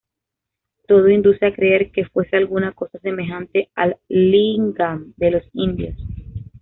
Todo induce a creer que fuese alguna cosa semejante al "lingam" de los indios.